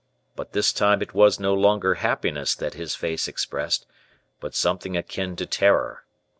But this time it was no longer happiness that his face expressed, but something akin to terror.